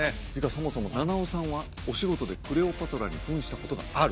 そもそも菜々緒さんはお仕事でクレオパトラに扮したことがある？